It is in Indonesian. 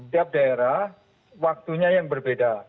tiap daerah waktunya yang berbeda